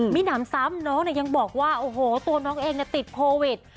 มีหนำซ้ำน้องยังบอกว่าโอ้โหตัวน้องเองติดโควิด